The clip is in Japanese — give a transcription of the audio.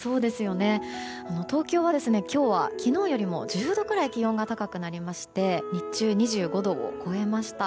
東京は今日は昨日よりも１０度くらい気温が高くなりまして日中２５度を超えました。